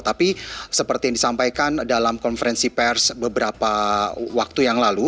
tapi seperti yang disampaikan dalam konferensi pers beberapa waktu yang lalu